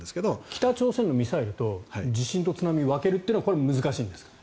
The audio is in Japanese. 北朝鮮のミサイルと地震と津波を分けるというのはこれは難しいんですか？